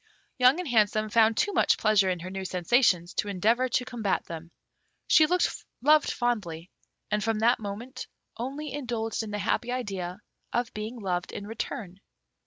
Young and Handsome found too much pleasure in her new sensations to endeavour to combat them. She loved fondly, and from that moment only indulged in the happy idea of being loved in return.